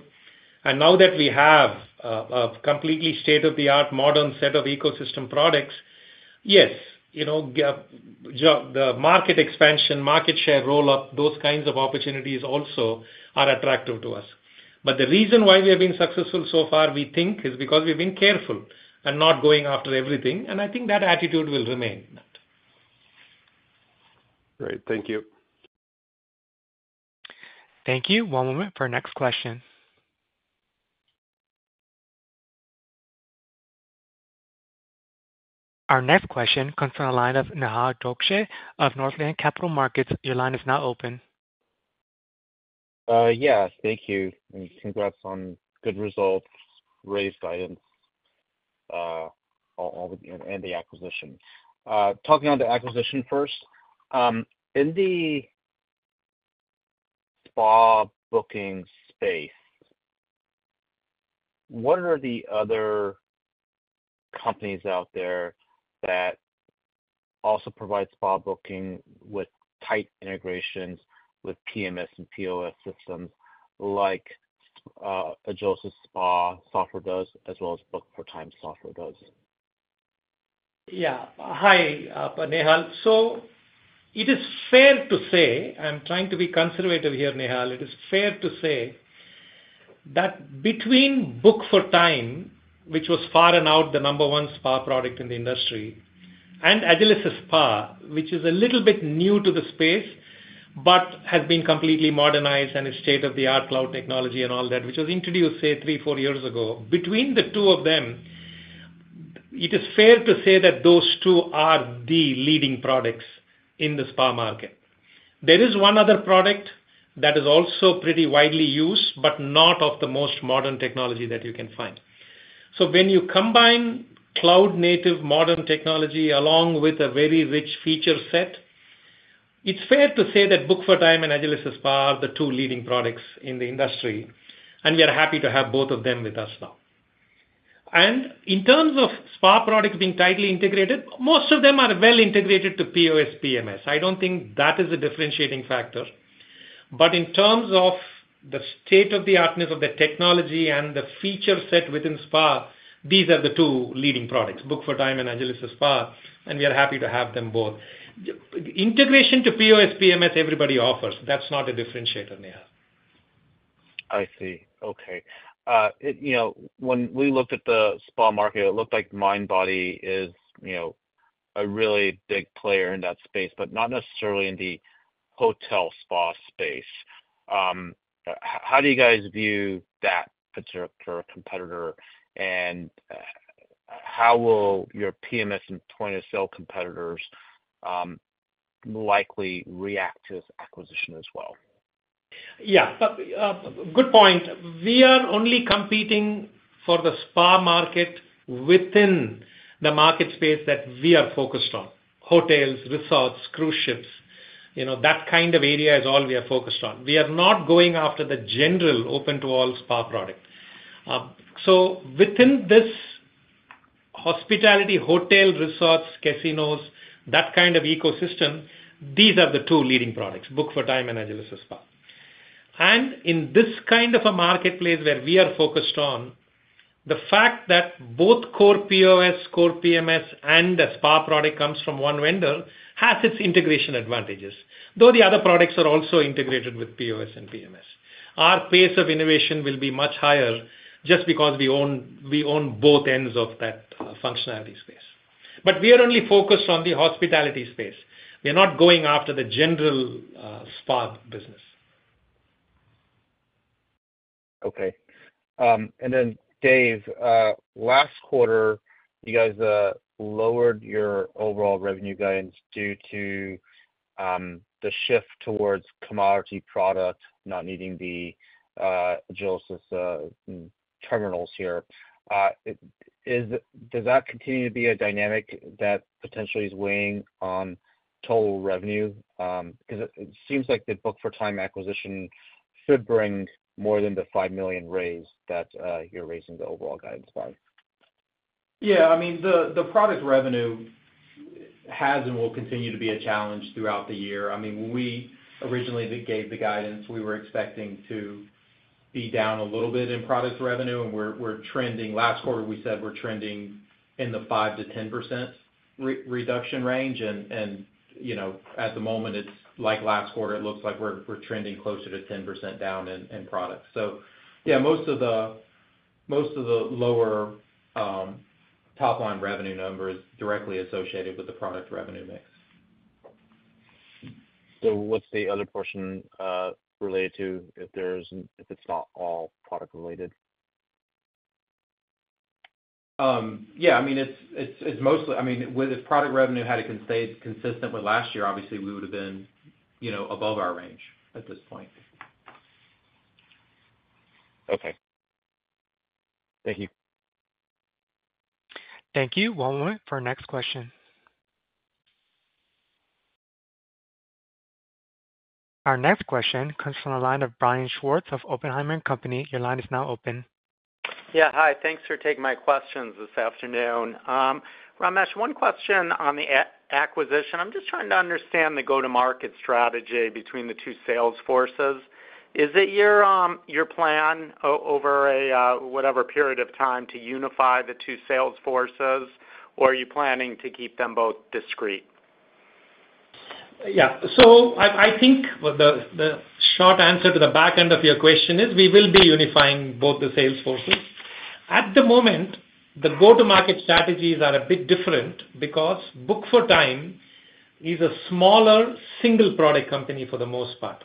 C: and now that we have a completely state-of-the-art modern set of ecosystem products, yes, you know, the market expansion, market share roll-up, those kinds of opportunities also are attractive to us. But the reason why we have been successful so far, we think, is because we've been careful and not going after everything, and I think that attitude will remain.
F: Great. Thank you.
A: Thank you. One moment for our next question. Our next question comes from the line of Nehal Chokshi of Northland Capital Markets. Your line is now open.
G: Yeah, thank you, and congrats on good results, raised guidance, on, and the acquisition. Talking on the acquisition first. In the spa booking space, what are the other companies out there that also provide spa booking with tight integrations with PMS and POS systems like Agilysys Spa software does, as well as Book4Time software does?
C: Yeah. Hi, Nehal. So it is fair to say, I'm trying to be conservative here, Nehal. It is fair to say that between Book4Time, which was far and away the number one spa product in the industry, and Agilysys Spa, which is a little bit new to the space, but has been completely modernized and is state-of-the-art cloud technology and all that, which was introduced, say, three, four years ago. Between the two of them, it is fair to say that those two are the leading products in the spa market. There is one other product that is also pretty widely used, but not of the most modern technology that you can find. So when you combine cloud-native modern technology along with a very rich feature set, it's fair to say that Book4Time and Agilysys Spa are the two leading products in the industry, and we are happy to have both of them with us now. And in terms of spa products being tightly integrated, most of them are well integrated to POS, PMS. I don't think that is a differentiating factor. But in terms of the state-of-the-artness of the technology and the feature set within Spa, these are the two leading products, Book4Time and Agilysys Spa, and we are happy to have them both. Just integration to POS, PMS, everybody offers. That's not a differentiator, Nehal.
G: I see. Okay. You know, when we looked at the spa market, it looked like Mindbody is, you know, a really big player in that space, but not necessarily in the hotel spa space. How do you guys view that potential competitor, and how will your PMS and point-of-sale competitors likely react to this acquisition as well?
C: Yeah. Good point. We are only competing for the spa market within the market space that we are focused on: hotels, resorts, cruise ships. You know, that kind of area is all we are focused on. We are not going after the general open-to-all spa product. So within this hospitality, hotel, resorts, casinos, that kind of ecosystem, these are the two leading products, Book4Time and Agilysys Spa. And in this kind of a marketplace where we are focused on, the fact that both core POS, core PMS, and the spa product comes from one vendor, has its integration advantages, though the other products are also integrated with POS and PMS. Our pace of innovation will be much higher just because we own both ends of that functionality space. But we are only focused on the hospitality space. We are not going after the general, spa business.
G: Okay. And then, Dave, last quarter, you guys lowered your overall revenue guidance due to the shift towards commodity product, not needing the Agilysys terminals here. Does that continue to be a dynamic that potentially is weighing on total revenue? Because it seems like the Book4Time acquisition should bring more than the $5 million raise that you're raising the overall guidance by.
D: Yeah, I mean, the product revenue has and will continue to be a challenge throughout the year. I mean, when we originally gave the guidance, we were expecting to be down a little bit in products revenue, and we're trending. Last quarter, we said we're trending in the 5%-10% reduction range. And you know, at the moment, it's like last quarter, it looks like we're trending closer to 10% down in products. So yeah, most of the lower top line revenue numbers directly associated with the product revenue mix.
G: So what's the other portion related to, if it's not all product related?
D: Yeah, I mean, it's mostly. I mean, with if product revenue had stayed consistent with last year, obviously, we would've been, you know, above our range at this point.
G: Okay. Thank you.
A: Thank you. One moment for our next question. Our next question comes from the line of Brian Schwartz of Oppenheimer and Company. Your line is now open.
H: Yeah, hi. Thanks for taking my questions this afternoon. Ramesh, one question on the acquisition. I'm just trying to understand the go-to-market strategy between the two sales forces. Is it your plan over a whatever period of time to unify the two sales forces, or are you planning to keep them both discrete?
C: Yeah. So I think the short answer to the back end of your question is, we will be unifying both the sales forces. At the moment, the go-to-market strategies are a bit different because Book4Time is a smaller, single-product company for the most part.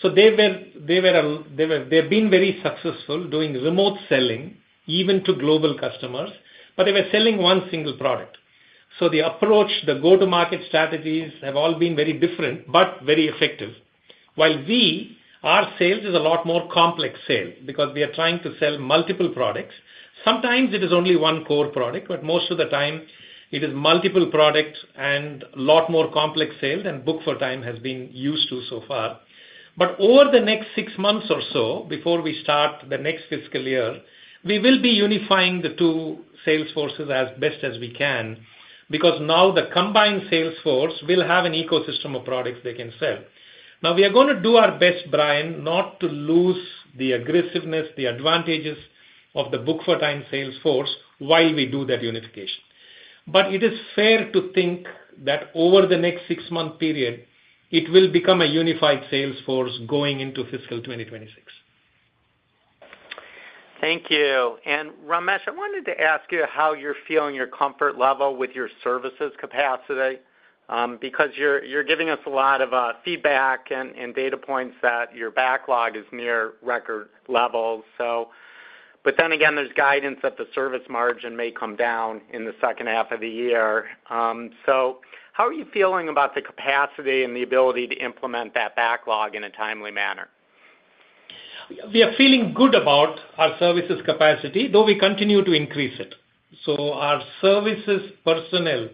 C: So they've been very successful doing remote selling, even to global customers, but they were selling one single product. So the approach, the go-to-market strategies have all been very different, but very effective. While our sales is a lot more complex sale because we are trying to sell multiple products. Sometimes it is only one core product, but most of the time it is multiple products and a lot more complex sales than Book4Time has been used to so far. But over the next six months or so, before we start the next fiscal year, we will be unifying the two sales forces as best as we can because now the combined sales force will have an ecosystem of products they can sell. Now, we are gonna do our best, Brian, not to lose the aggressiveness, the advantages of the Book4Time sales force while we do that unification. But it is fair to think that over the next six-month period, it will become a unified sales force going into fiscal 2026.
H: Thank you. And Ramesh, I wanted to ask you how you're feeling your comfort level with your services capacity, because you're giving us a lot of feedback and data points that your backlog is near record levels. So, but then again, there's guidance that the service margin may come down in the second half of the year. So how are you feeling about the capacity and the ability to implement that backlog in a timely manner?
C: We are feeling good about our services capacity, though we continue to increase it. So our services personnel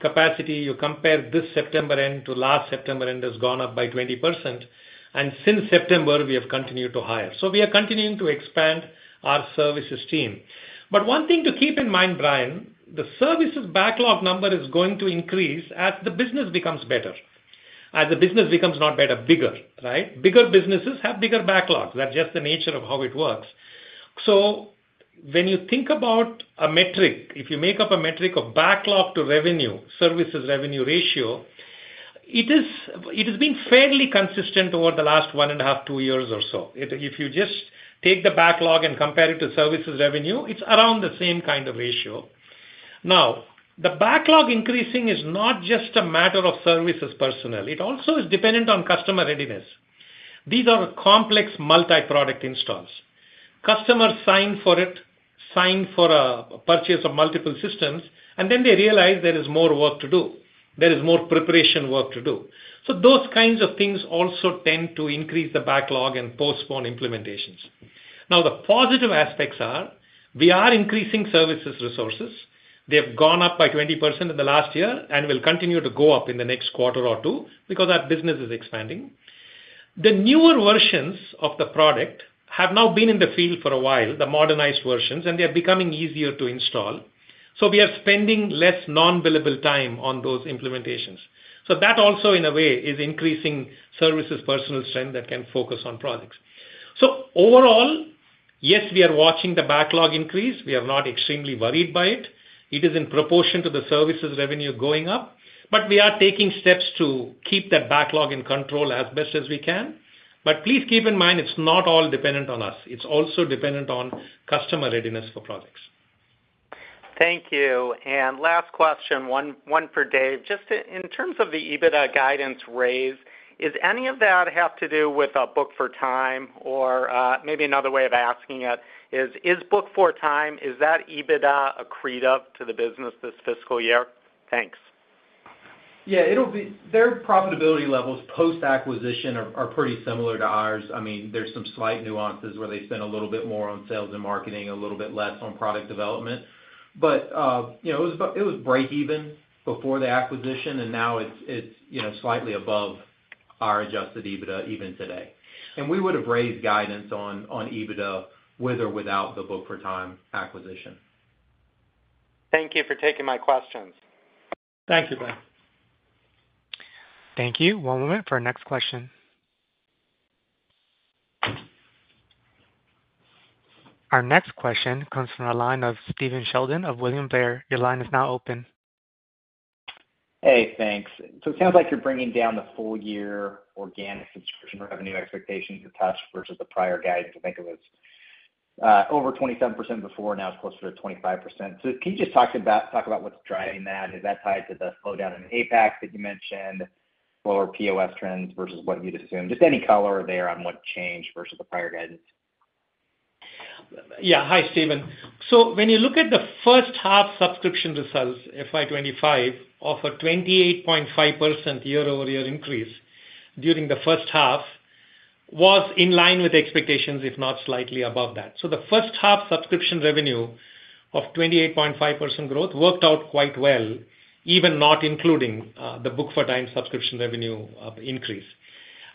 C: capacity, you compare this September end to last September end, has gone up by 20%, and since September, we have continued to hire. So we are continuing to expand our services team. But one thing to keep in mind, Brian, the services backlog number is going to increase as the business becomes better. As the business becomes not better, bigger, right? Bigger businesses have bigger backlogs. That's just the nature of how it works. So when you think about a metric, if you make up a metric of backlog to revenue, services revenue ratio, it is. It has been fairly consistent over the last one and a half, two years or so. If you just take the backlog and compare it to services revenue, it's around the same kind of ratio. Now, the backlog increasing is not just a matter of services personnel, it also is dependent on customer readiness. These are complex multi-product installs. Customers sign for it, sign for a purchase of multiple systems, and then they realize there is more work to do, there is more preparation work to do. So those kinds of things also tend to increase the backlog and postpone implementations. Now, the positive aspects are: we are increasing services resources. They have gone up by 20% in the last year and will continue to go up in the next quarter or two because our business is expanding. The newer versions of the product have now been in the field for a while, the modernized versions, and they are becoming easier to install, so we are spending less non-billable time on those implementations. So that also, in a way, is increasing services personnel strength that can focus on products. So overall, yes, we are watching the backlog increase. We are not extremely worried by it. It is in proportion to the services revenue going up, but we are taking steps to keep that backlog in control as best as we can. But please keep in mind, it's not all dependent on us. It's also dependent on customer readiness for projects.
H: Thank you. And last question, one for Dave. Just in terms of the EBITDA guidance raise, does any of that have to do with Book4Time? Or, maybe another way of asking it is, is Book4Time EBITDA accretive to the business this fiscal year? Thanks.
D: Yeah, it'll be their profitability levels, post-acquisition, are pretty similar to ours. I mean, there's some slight nuances where they spend a little bit more on sales and marketing, a little bit less on product development. But you know, it was breakeven before the acquisition, and now it's you know, slightly above our adjusted EBITDA even today. And we would have raised guidance on EBITDA with or without the Book4Time acquisition.
H: Thank you for taking my questions.
C: Thank you, Brian.
A: Thank you. One moment for our next question. Our next question comes from the line of Stephen Sheldon of William Blair. Your line is now open.
I: Hey, thanks. So it sounds like you're bringing down the full year organic subscription revenue expectations attached versus the prior guidance. I think it was over 27% before, now it's closer to 25%. So can you just talk about what's driving that? Is that tied to the slowdown in APAC that you mentioned, lower POS trends versus what you'd assumed? Just any color there on what changed versus the prior guidance.
C: Yeah. Hi, Stephen. So when you look at the first half subscription results, FY 2025, of a 28.5% year-over-year increase during the first half, was in line with expectations, if not slightly above that. So the first half subscription revenue of 28.5% growth worked out quite well, even not including, the Book4Time subscription revenue, increase.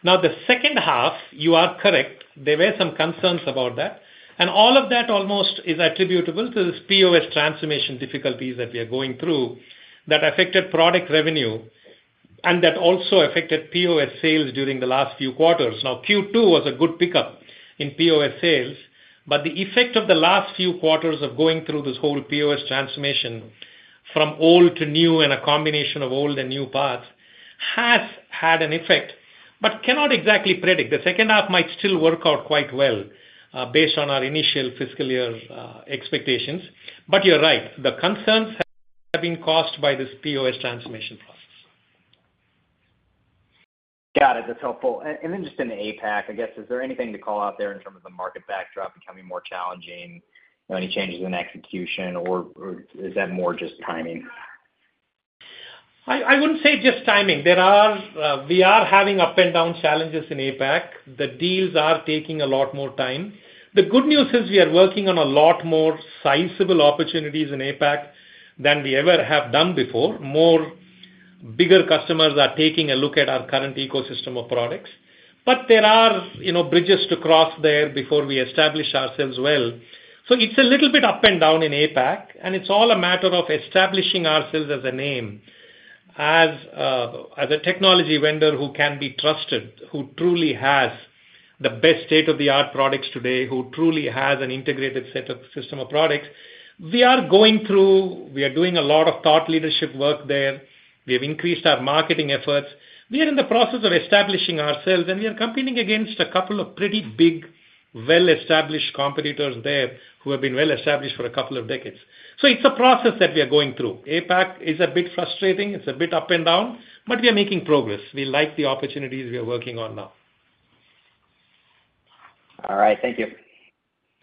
C: Now, the second half, you are correct, there were some concerns about that, and all of that almost is attributable to this POS transformation difficulties that we are going through that affected product revenue and that also affected POS sales during the last few quarters. Now, Q2 was a good pickup in POS sales, but the effect of the last few quarters of going through this whole POS transformation from old to new, and a combination of old and new parts, has had an effect, but cannot exactly predict. The second half might still work out quite well, based on our initial fiscal year expectations. But you're right, the concerns have been caused by this POS transformation process.
I: Got it. That's helpful. And then just in APAC, I guess, is there anything to call out there in terms of the market backdrop becoming more challenging? Any changes in execution, or is that more just timing?
C: I wouldn't say just timing. We are having up and down challenges in APAC. The deals are taking a lot more time. The good news is we are working on a lot more sizable opportunities in APAC than we ever have done before. More bigger customers are taking a look at our current ecosystem of products. But there are, you know, bridges to cross there before we establish ourselves well. So it's a little bit up and down in APAC, and it's all a matter of establishing ourselves as a name, as a technology vendor who can be trusted, who truly has the best state-of-the-art products today, who truly has an integrated set of system of products. We are doing a lot of thought leadership work there. We have increased our marketing efforts. We are in the process of establishing ourselves, and we are competing against a couple of pretty big, well-established competitors there, who have been well-established for a couple of decades. So it's a process that we are going through. APAC is a bit frustrating, it's a bit up and down, but we are making progress. We like the opportunities we are working on now.
I: All right. Thank you.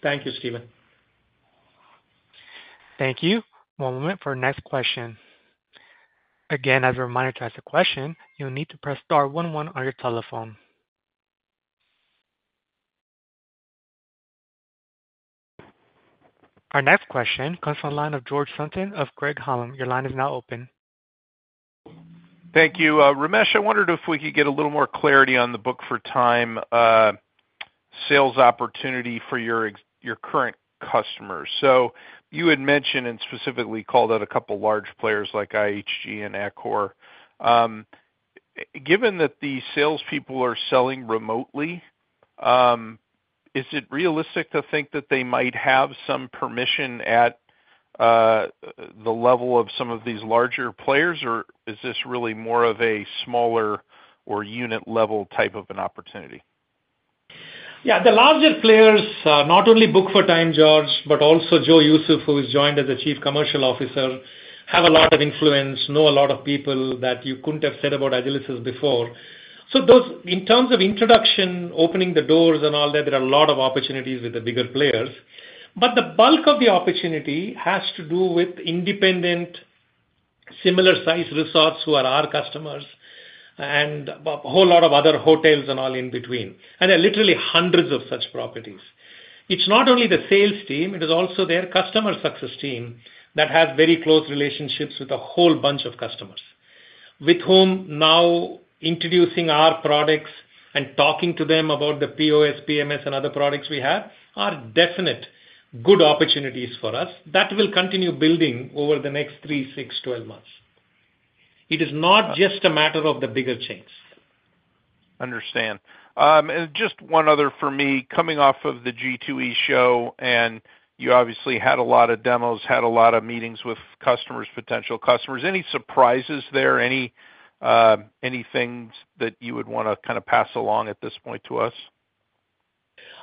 C: Thank you, Steven.
A: Thank you. One moment for our next question. Again, as a reminder, to ask a question, you'll need to press star one one on your telephone. Our next question comes from the line of George Sutton of Craig-Hallum. Your line is now open.
J: Thank you. Ramesh, I wondered if we could get a little more clarity on the Book4Time sales opportunity for your current customers. So you had mentioned and specifically called out a couple large players like IHG and Accor. Given that the salespeople are selling remotely, is it realistic to think that they might have some permission at the level of some of these larger players, or is this really more of a smaller or unit-level type of an opportunity?
C: Yeah, the larger players, not only Book4Time, George, but also Joe Youssef, who has joined as the Chief Commercial Officer, have a lot of influence, know a lot of people that you couldn't have said about Agilysys before. So those. In terms of introduction, opening the doors and all that, there are a lot of opportunities with the bigger players, but the bulk of the opportunity has to do with independent, similar-sized resorts who are our customers, and a whole lot of other hotels and all in between, and there are literally hundreds of such properties. It's not only the sales team, it is also their customer success team that has very close relationships with a whole bunch of customers, with whom now introducing our products and talking to them about the POS, PMS, and other products we have, are definite good opportunities for us. That will continue building over the next three, six, twelve months. It is not just a matter of the bigger chains.
J: Understand. And just one other for me. Coming off of the G2E show, and you obviously had a lot of demos, had a lot of meetings with customers, potential customers. Any surprises there? Any, any things that you would wanna kinda pass along at this point to us?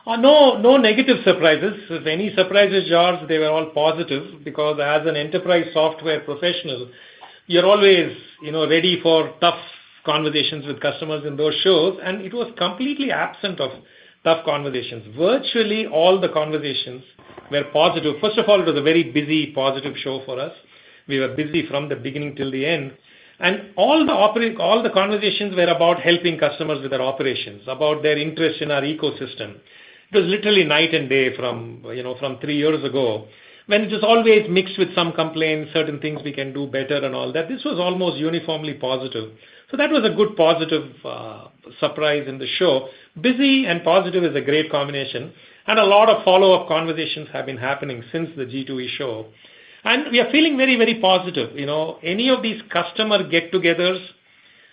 C: No, no negative surprises. If any surprises, George, they were all positive, because as an enterprise software professional, you're always, you know, ready for tough conversations with customers in those shows, and it was completely absent of tough conversations. Virtually all the conversations were positive. First of all, it was a very busy, positive show for us. We were busy from the beginning till the end, and all the conversations were about helping customers with their operations, about their interest in our ecosystem. It was literally night and day from, you know, from three years ago, when it was always mixed with some complaints, certain things we can do better and all that. This was almost uniformly positive. So that was a good positive surprise in the show. Busy and positive is a great combination, and a lot of follow-up conversations have been happening since the G2E show, and we are feeling very, very positive. You know, any of these customer get-togethers,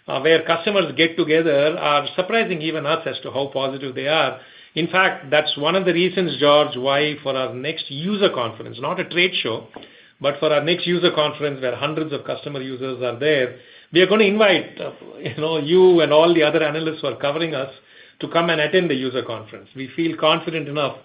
C: where customers get together, are surprising even us as to how positive they are. In fact, that's one of the reasons, George, why for our next user conference, not a trade show, but for our next user conference, where hundreds of customer users are there, we are gonna invite, you know, you and all the other analysts who are covering us to come and attend the user conference. We feel confident enough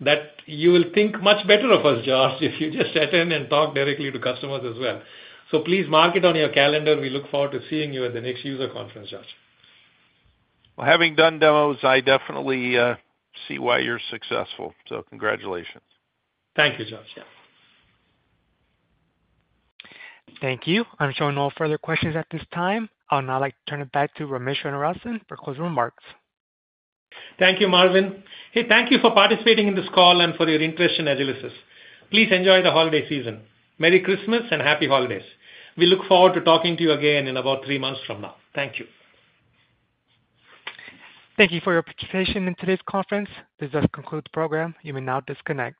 C: that you will think much better of us, George, if you just attend and talk directly to customers as well. So please mark it on your calendar. We look forward to seeing you at the next user conference, George.
J: Having done demos, I definitely see why you're successful, so congratulations.
C: Thank you, George. Yeah.
A: Thank you. I'm showing no further questions at this time. I'd now like to turn it back to Ramesh Srinivasan for closing remarks.
C: Thank you, Marvin. Hey, thank you for participating in this call and for your interest in Agilysys. Please enjoy the holiday season. Merry Christmas and happy holidays. We look forward to talking to you again in about three months from now. Thank you.
A: Thank you for your participation in today's conference. This does conclude the program. You may now disconnect.